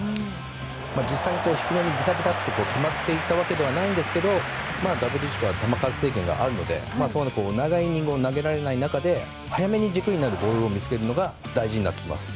実際に低めにビタビタと決まっていたわけじゃないんですけどＷＢＣは球数制限があるので長いイニングを投げられない中で早めに軸になるボールを見つけるのが大事になってきます。